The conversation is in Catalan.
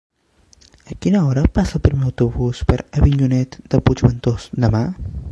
A quina hora passa el primer autobús per Avinyonet de Puigventós demà?